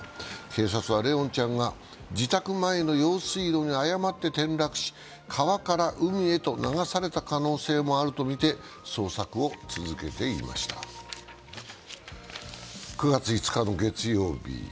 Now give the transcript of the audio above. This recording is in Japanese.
警察は怜音ちゃんが自宅前の用水路に誤って転落し川から海へと流された可能性もあるとみて、捜索を続けていました９月５日の月曜日。